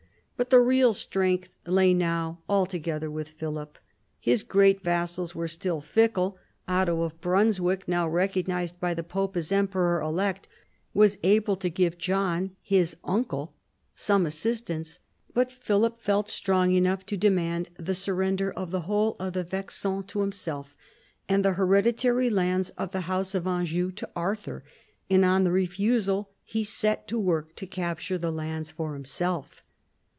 But the real strength lay now altogether with Philip. His great vassals were still fickle. Otto of Brunswick, 64 PHILIP AUGUSTUS chap. now recognised by the pope as emperor elect, was able to give John, his uncle, some assistance. But Philip felt strong enough to demand the surrender of the whole of the Vexin to himself, and the hereditary lands of the house of Anjou to Arthur, and on the refusal he set to work to capture the lands for himself.